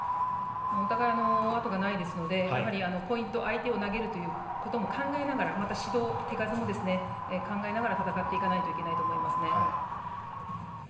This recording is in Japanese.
お互い、後がないので相手を投げることも考えながらまた、指導手数も考えながら戦っていかないといけないと思いますね。